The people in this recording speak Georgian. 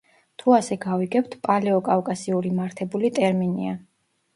თუ ასე გავიგებთ, „პალეო-კავკასიური“ მართებული ტერმინია.